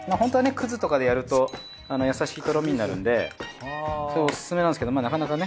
くずとかでやるとやさしいとろみになるのでオススメなんですけどなかなかね。